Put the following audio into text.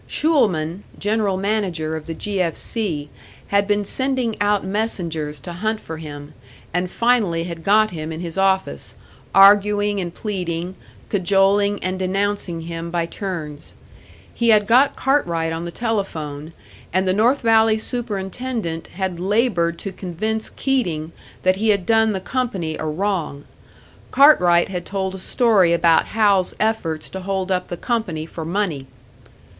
Schulman, general manager of the "G. F. C.," had been sending out messengers to hunt for him, and finally had got him in his office, arguing and pleading, cajoling and denouncing him by turns. He had got Cartwright on the telephone, and the North Valley superintendent had laboured to convince Keating that he had done the company a wrong. Cartwright had told a story about Hal's efforts to hold up the company for money.